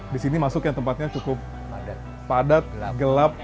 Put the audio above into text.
di sini masuk yang tempatnya cukup padat gelap